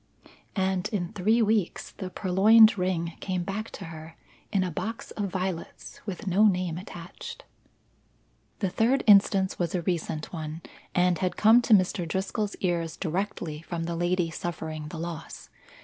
And in three weeks the purloined ring came back to her, in a box of violets with no name attached. The third instance was a recent one, and had come to Mr. Driscoll's ears directly from the lady suffering the loss.